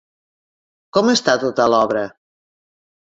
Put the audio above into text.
Com està tota l'obra?